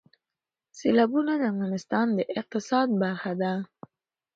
سیلابونه د افغانستان د اقتصاد برخه ده.